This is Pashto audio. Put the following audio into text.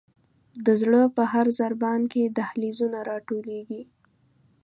د زړه په هر ضربان کې دهلیزونه را ټولیږي.